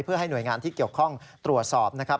เพื่อให้หน่วยงานที่เกี่ยวข้องตรวจสอบนะครับ